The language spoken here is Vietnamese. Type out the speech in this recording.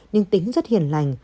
nhưng tính rất hiền lành